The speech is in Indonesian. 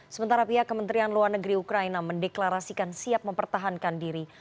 sementara pihak kementerian luar negeri ukraina mendeklarasikan siap mempertahankan diri